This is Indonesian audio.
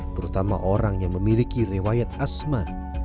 terutama orang yang memiliki rewayat asma